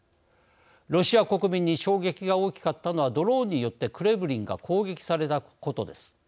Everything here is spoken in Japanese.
ロシア国民に衝撃が大きかったのはドローンによってクレムリンが攻撃されたことです。